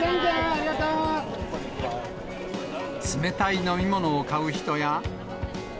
冷たい飲み物を買う人や。